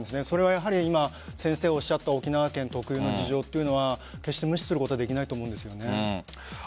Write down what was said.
それは今、先生がおっしゃった沖縄県特有の事情は決して無視することができないと思うんです。